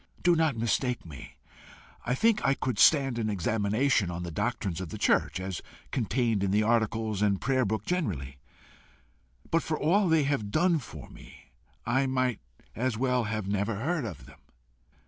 Do not mistake me. I think I could stand an examination on the doctrines of the church, as contained in the articles, and prayer book generally. But for all they have done for me, I might as well have never heard of them."